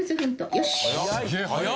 よし！